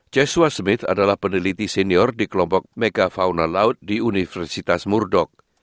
jesua smith adalah peneliti senior di kelompok megafauna laut di universitas murdoch